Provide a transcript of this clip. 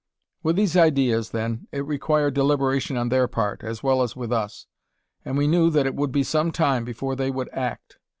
With these ideas, then, it required deliberation on their part, as well as with us; and we knew that it would be some time before they would act.